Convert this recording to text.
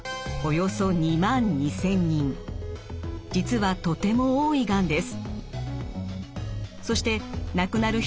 実はとても多いがんです。